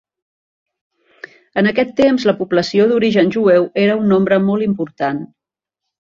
En aquest temps la població d'origen jueu era un nombre molt important.